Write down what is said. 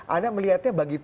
ada melihatnya bagi publik